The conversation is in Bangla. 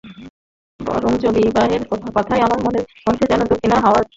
বরঞ্চ বিবাহের কথায় আমার মনের মধ্যে যেন দক্ষিনে হাওয়া দিতে লাগিল।